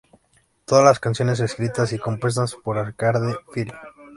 Todas las canciones escritas y compuestas por Arcade Fire.